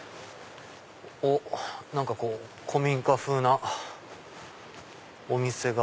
おっ何か古民家風なお店が。